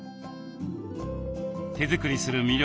手作りする魅力